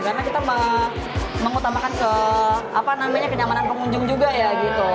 karena kita mengutamakan ke apa namanya kenyamanan pengunjung juga ya gitu